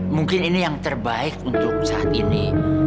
mungkin ini yang terbaik untuk saat ini